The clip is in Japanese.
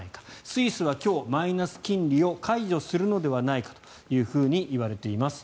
スイスは今日、マイナス金利を解除するのではないかといわれています。